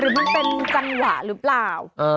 มันเป็นจังหวะหรือเปล่า